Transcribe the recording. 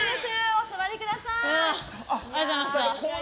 お座りください。